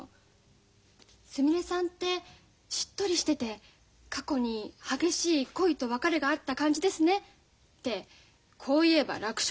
「すみれさんってしっとりしてて過去に激しい恋と別れがあった感じですね」ってこう言えば楽勝よ。